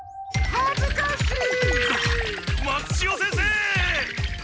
はずかしい！